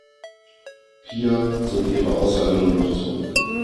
Pia zog ihre Aussage nun doch zurück.